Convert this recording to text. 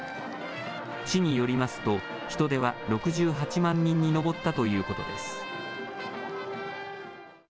市によりますと、人出は６８万人に上ったということです。